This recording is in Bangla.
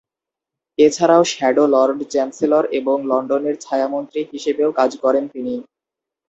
এছাড়াও শ্যাডো লর্ড চ্যান্সেলর এবং লন্ডনের ছায়া-মন্ত্রী হিসেবেও কাজ করেন তিনি।